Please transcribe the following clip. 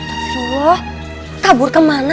astagfirullah kabur kemana